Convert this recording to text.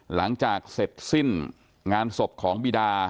หลังจากเสร็จสิ้นงานศพของบีดา